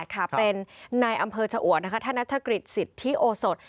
๐๘๑๘๖๗๒๐๙๘ค่ะเป็นในอำเภอเฉาะนะคะท่านนักฐกฤตสิทธิโอสด